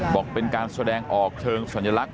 บอกเป็นการแสดงออกเชิงสัญลักษณ